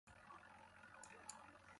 اش جُولیْ بیَون جوْ ہنیْ یا؟